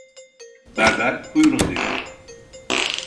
Berber "Buyurun" dedi.